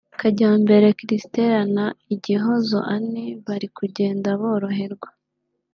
Kajyambere Christella na Igihozo Anny bari kugenda boroherwa